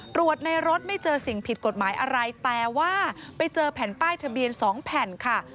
ตรวจในรถไม่เจอสิ่งผิดกฎหมายอะไรแต่ว่าไปเจอแผ่นป้ายทะเบียน๒แผ่นค่ะ